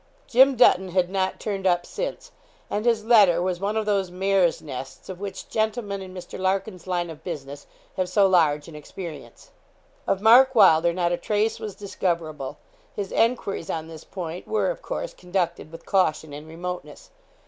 Jim Dutton had not turned up since, and his letter was one of those mares' nests of which gentlemen in Mr. Larkin's line of business have so large an experience. Of Mark Wylder not a trace was discoverable. His enquiries on this point were, of course, conducted with caution and remoteness.